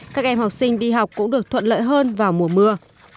các em học sinh đi học cũng được thuận lợi hơn vào mùa mưa